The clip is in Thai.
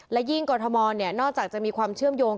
และยิ่งกรทมนอกจากจะมีความเชื่อมโยง